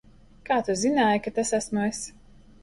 Kā tu zināji, ka tas esmu es?